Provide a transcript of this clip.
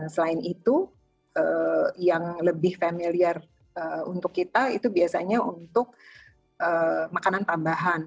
selain itu yang lebih familiar untuk kita itu biasanya untuk makanan tambahan